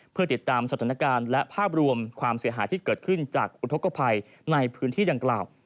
เพื่อติดตามสถานการณ์และภาพรวมความเสียหายที่เกิดขึ้นจากอุทธกภัยในพื้นที่ดังกล่าว